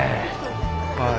はい。